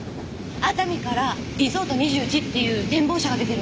熱海からリゾート２１っていう展望車が出てるの。